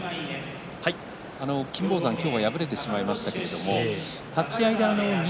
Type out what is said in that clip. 金峰山、今日は敗れてしまいましたが立ち合い錦